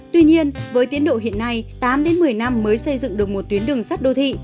tuy nhiên với tiến độ hiện nay tám đến một mươi năm mới xây dựng được một tuyến đường sắt đô thị